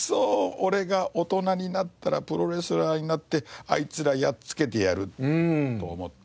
俺が大人になったらプロレスラーになってあいつらやっつけてやると思って。